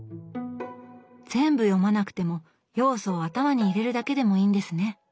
全部読まなくても要素を頭に入れるだけでもいいんですね。